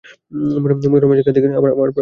মনোরম এক জায়গায় আমার থাকার ব্যবস্থা করল।